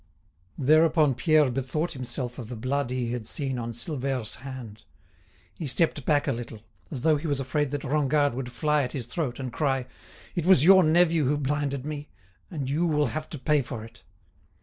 Thereupon Pierre bethought himself of the blood he had seen on Silvère's hand. He stepped back a little, as though he was afraid that Rengade would fly at his throat, and cry: "It was your nephew who blinded me; and you will have to pay for it."